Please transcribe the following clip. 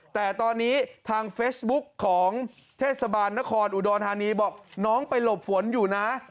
แต่ตอนนี้ทางเฟซบุ๊กของเทศบาลนครอุดรธานีบอกน้องไปหลบฝนอยู่นะ